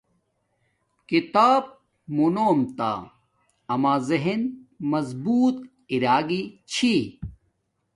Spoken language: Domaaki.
کتاب مونوم تا اما زہن مضبوط اراگی چھی